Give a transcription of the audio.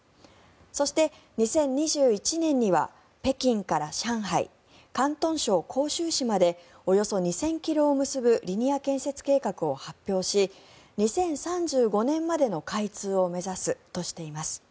そして、２０２１年には北京から上海広東省広州市までおよそ２０００ｋｍを結ぶリニア建設計画を発表し２０３５年までの開通を目指すとしています。